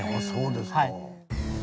そうですか。